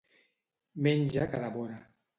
Menja que devora.